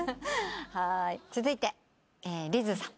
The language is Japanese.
続いてリズさん。